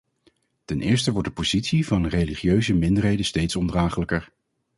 Ten eerste wordt de positie van religieuze minderheden steeds ondraaglijker.